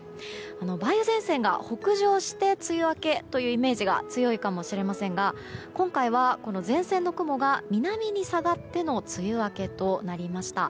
梅雨前線が北上して梅雨明けというイメージが強いかもしれませんが今回は前線の雲が南に下がっての梅雨明けとなりました。